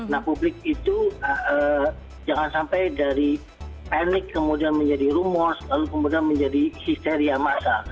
nah publik itu jangan sampai dari panik kemudian menjadi rumor lalu kemudian menjadi histeria massa